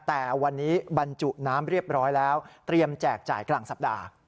แต่วันนี้บรรจุน้ำเรียบร้อยแล้วเตรียมแจกจ่ายกลางสัปดาห์